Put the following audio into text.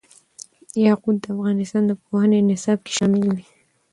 یاقوت د افغانستان د پوهنې نصاب کې شامل دي.